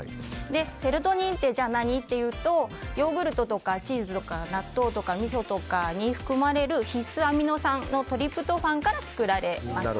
セロトニンってじゃあ何かというとヨーグルトとかチーズとか納豆とか、みそとかに含まれる必須アミノ酸のトリプトファンから作られます。